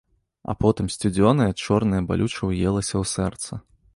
А потым сцюдзёнае, чорнае балюча ўелася ў сэрца.